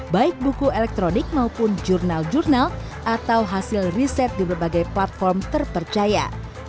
baik buku elektronik maupun jurnal jurnal atau hasil riset di berbagai platform terpercaya